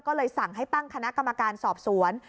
ก็เลยสั่งให้ตั้งคณะกรรมการสอบสวน